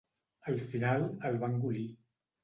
Al final, el va engolir.